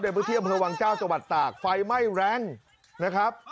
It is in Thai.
พื้นที่อำเภอวังเจ้าจังหวัดตากไฟไหม้แรงนะครับ